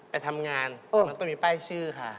ไปทำงานมันต้องมีป้ายชื่อค่ะ